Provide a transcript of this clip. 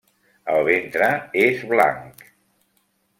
El ventre és blanc.